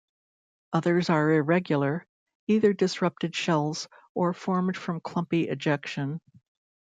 Others are irregular, either disrupted shells or formed from clumpy ejection.